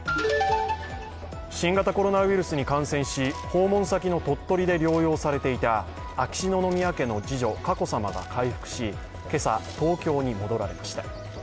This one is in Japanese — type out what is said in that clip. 新型コロナウイルスに感染し、訪問先の鳥取で療養されていた秋篠宮家の次女・佳子さまが回復し今朝、東京に戻られました。